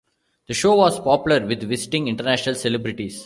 The show was popular with visiting international celebrities.